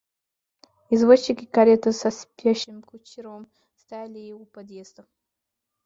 Извозчик и карета со спящим кучером стояли у подъезда.